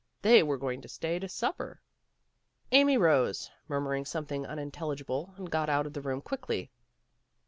They were going to stay to supper. Amy rose, murmuring something unintelli gible, and got out of the room quickly.